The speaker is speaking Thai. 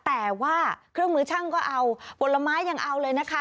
แต่ว่าเครื่องมือช่างก็เอาผลไม้ยังเอาเลยนะคะ